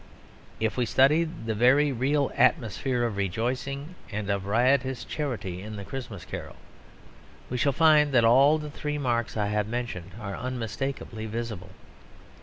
If we study the very real atmosphere of rejoicing and of riotous charity in The Christmas Carol we shall find that all the three marks I have mentioned are unmistakably visible.